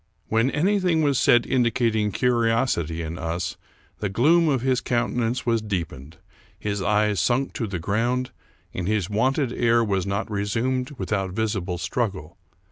When anything was said indicating curi osity in us, the gloom of his countenance was deepened, his eyes sunk to the ground, and his wonted air was not resumed without visible struggle.